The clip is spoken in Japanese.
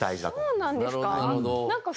そうなんですか？